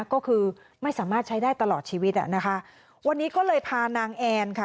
ก็คือไม่สามารถใช้ได้ตลอดชีวิตอ่ะนะคะวันนี้ก็เลยพานางแอนค่ะ